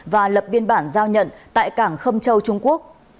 và lập biên bản giao nhận tại cảng khâm châu trung quốc